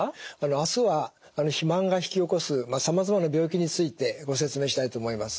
明日は肥満が引き起こすさまざまな病気についてご説明したいと思います。